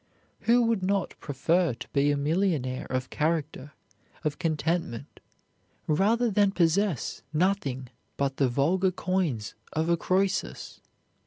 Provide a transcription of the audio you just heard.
Who would not prefer to be a millionaire of character, of contentment, rather than possess nothing but the vulgar coins of a Croesus?